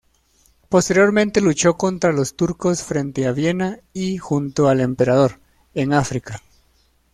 Posteriormente luchó contra los turcos frente a Viena y junto al Emperador, en África.